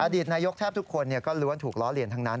ดีตนายกแทบทุกคนก็ล้วนถูกล้อเลียนทั้งนั้น